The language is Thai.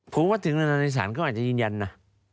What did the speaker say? ผมว่าถึงเวลาในศาลเขาอาจจะยืนยันนะ